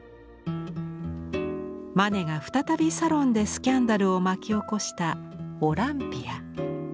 マネが再びサロンでスキャンダルを巻き起こした「オランピア」。